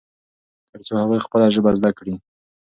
ترڅو هغوی خپله ژبه زده کړي.